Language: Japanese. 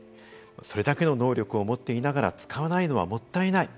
それだけの能力を持っていながら使わないのは、もったいない。